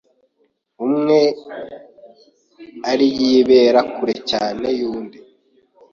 umwe ari yibera kure cyane y’undi.